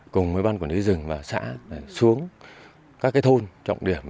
cùng với ban quản lý rừng và xã xuống các thôn trọng điểm